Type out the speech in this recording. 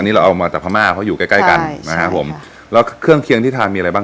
นี่เราเอามาจากพม่าเพราะอยู่ใกล้ใกล้กันนะครับผมแล้วเครื่องเคียงที่ทานมีอะไรบ้าง